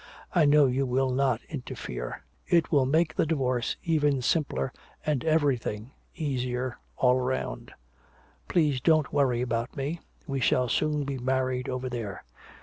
I know you will not interfere. It will make the divorce even simpler and everything easier all round. Please don't worry about me. We shall soon be married over there.